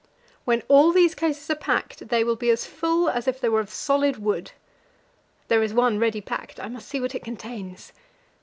When all these cases are packed, they will be as full as if they were of solid wood. There is one ready packed; I must see what it contains.